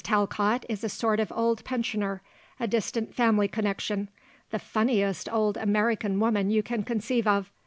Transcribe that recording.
Talcott is a sort of old pensioner; a distant family connection; the funniest old American woman you can conceive of.